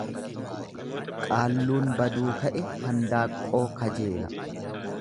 Qaalluun baduu ka'e handaaqqoo kajeela.